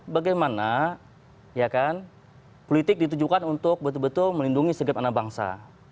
bagaimana politik ditujukan untuk betul betul melindungi segala mana bangsa